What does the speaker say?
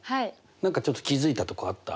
何かちょっと気付いたとこあった？